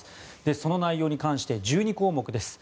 その内容に関して１２項目です。